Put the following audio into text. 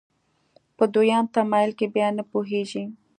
په دویم تمایل کې بیا نه پوهېږي.